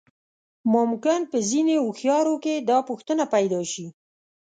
ممکن په ځينې هوښيارو کې دا پوښتنه پيدا شي.